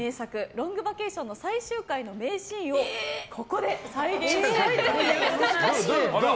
「ロングバケーション」の最終回の名シーンをここで再現してもらいます。